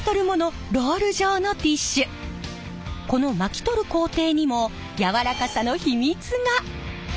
この巻き取る工程にも柔らかさの秘密が！